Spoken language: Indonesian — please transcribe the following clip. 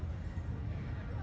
kri kepala kepala kepala